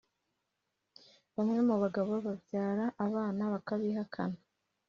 bamwe mu bagabo babyara abana bakabihakana